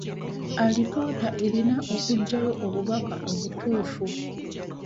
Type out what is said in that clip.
Alipoota erina okuggyayo obubaka obutuufu.